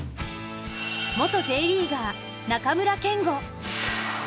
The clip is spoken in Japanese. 元Ｊリーガー・中村憲剛。